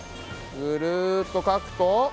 ぐるっとかくと。